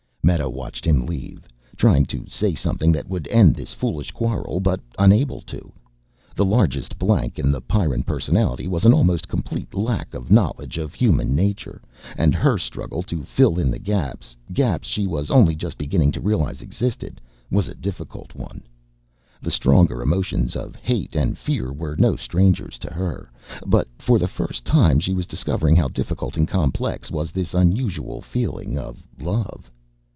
Meta watched him leave, trying to say something that would end this foolish quarrel, but unable to. The largest blank in the Pyrran personality was an almost complete lack of knowledge of human nature, and her struggle to fill in the gaps gaps she was only just beginning to realize existed was a difficult one. The stronger emotions of hate and fear were no strangers to her; but for the first time she was discovering how difficult and complex was this unusual feeling of love.